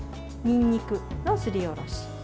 にんにくのすりおろし。